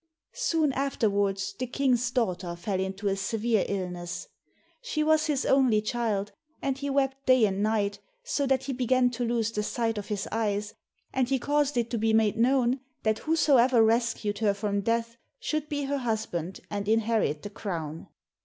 Soon afterwards the King's daughter fell into a severe illness. She was his only child, and he wept day and night, so that he began to lose the sight of his eyes, and he caused it to be made known that whosoever rescued her from death should be her husband and inherit the crown.